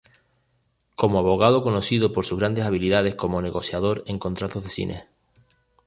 Como abogado conocido por sus grandes habilidades como negociador en contratos de cine.